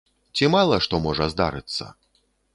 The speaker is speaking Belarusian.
Ці мала што можа здарыцца.